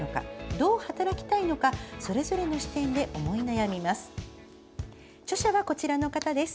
どう働きたいのかそれぞれの視点で思い悩みます。